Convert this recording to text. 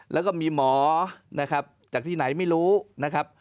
แล้วก็มีหมอนะครับจากที่ไหนไม่รู้นะครับ